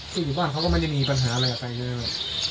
คุณอยู่บ้านเขาก็ไม่ได้มีปัญหาอะไรกับใครนะครับ